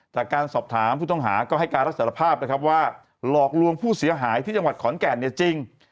จากการสอบถามผู้ต้องหาก็ให้การรับสารภาพนะครับว่าหลอกลวงผู้เสียหายที่จังหวัดขอนแก่นเนี่ยจริง